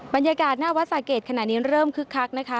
บรรยากาศหน้าวัดสะเกดขณะนี้เริ่มคึกคักนะคะ